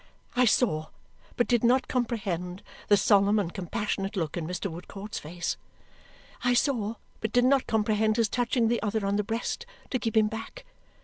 I saw but did not comprehend the solemn and compassionate look in Mr. Woodcourt's face. I saw but did not comprehend his touching the other on the breast to keep him back.